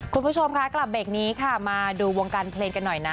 คุณผู้ชมคะกลับเบรกนี้ค่ะมาดูวงการเพลงกันหน่อยนะ